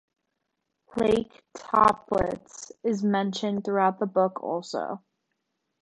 Lake Toplitz is mentioned throughout the book also.